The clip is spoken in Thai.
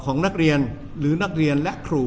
ของนักเรียนหรือนักเรียนและครู